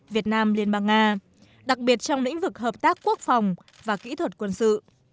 việt nam liên bang nga đặc biệt trong lĩnh vực hợp tác quốc phòng và kỹ thuật quân sự